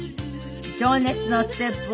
情熱のステップ王子